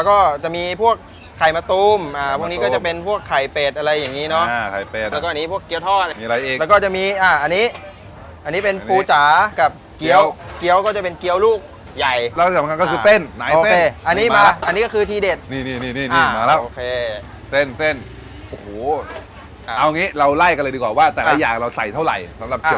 ๖๐ก้อนใช่ครับพี่น้อยกินเข้าไปยังไงวะว่ะ